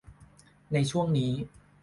ในช่วงนี้